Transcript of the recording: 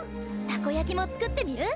たこ焼きも作ってみる？